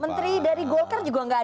menteri dari golkar juga nggak